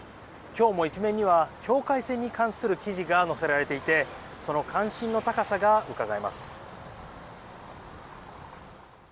今日も一面には境界線に関する記事が載せられていてその関心の高さがうかがえます。